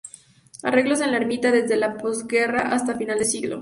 Arreglos en la ermita desde la posguerra hasta final de siglo.